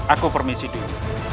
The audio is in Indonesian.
aku permisi dulu